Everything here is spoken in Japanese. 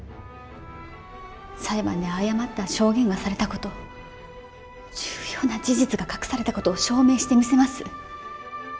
裁判で誤った証言がされたこと重要な事実が隠されたことを証明してみせます。